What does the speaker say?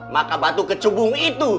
maka batu kecubung itu